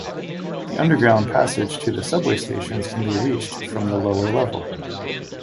The underground passage to the subway stations can be reached from the lower level.